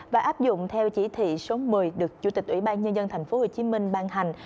và áp dụng theo chỉ thị số một mươi được chủ tịch ủy ban nhân dân thành phố hồ chí minh ban hành